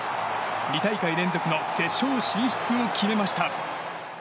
２大会連続の決勝進出を決めました。